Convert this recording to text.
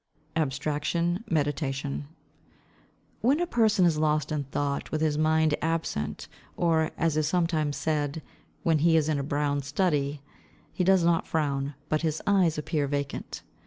Abstraction. Meditation.—When a person is lost in thought with his mind absent, or, as it is sometimes said, "when he is in a brown study," he does not frown, but his eyes appear vacant.